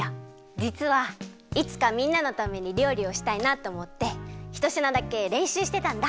じつはいつかみんなのためにりょうりをしたいなっておもってひとしなだけれんしゅうしてたんだ。